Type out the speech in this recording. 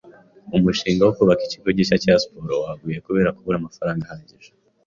Umushinga wo kubaka ikigo gishya cya siporo waguye kubera kubura amafaranga ahagije